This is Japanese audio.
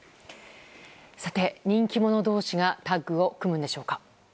人気者同士がタッグを組むんでしょうか。